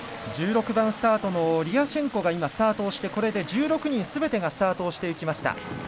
１６番スタートのリアシェンコが今、スタートをして１６人すべてがスタートしました。